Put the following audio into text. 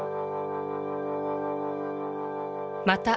また